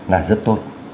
là rất tốt